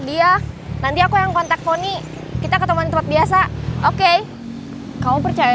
dia nanti aku yang kontak pony kita ketemu juga bizisnya